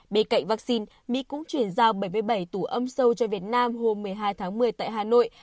bên cạnh vaccine mỹ cũng chuyển giao bảy mươi bảy tủ âm sâu cho việt nam hôm một mươi hai tháng một mươi tại hà nội